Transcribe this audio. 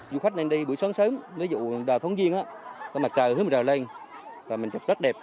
du khách lên đây buổi sáng sớm ví dụ đào thống giêng mặt trời hướng rào lên mình chụp rất đẹp